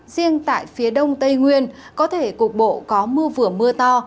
riêng tại phía đông tây nguyên có thể cục bộ có mưa vừa mưa to